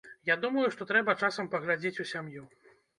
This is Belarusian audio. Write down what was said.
Я думаю, што трэба часам паглядзець у сям'ю.